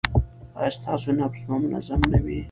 ایا ستاسو نبض به منظم نه وي؟